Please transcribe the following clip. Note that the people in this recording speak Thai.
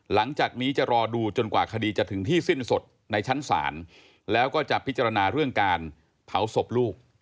หลังจากนี้จะรอดูจนกว่าคดีจะถึงที่สิ้นสุดในชั้นศาลแล้วก็จะพิจารณาเรื่องการเผาศพลูก